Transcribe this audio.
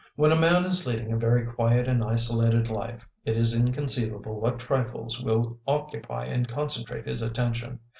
When a man is leading a very quiet and isolated life, it is inconceivable what trifles will occupy and concentrate his attention.